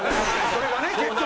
それがね結局。